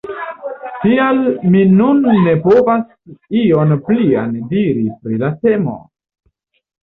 Tial mi nun ne povas ion plian diri pri la temo.